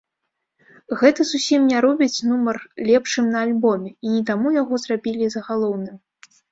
Гэта зусім не робіць нумар лепшым на альбоме, і не таму яго зрабілі загалоўным.